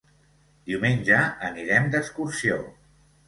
Diumenge anirem d'excursió.